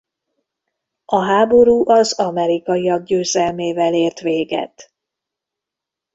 A háború az amerikaiak győzelmével ért véget.